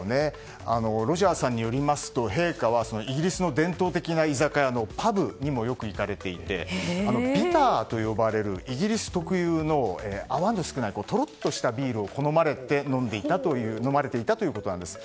ロジャーさんによりますと陛下はイギリスの伝統的な居酒屋のパブにもよく行かれていてビターと呼ばれるイギリス特有の泡が少ないとろっとしたビールを好まれて飲んでいたということです。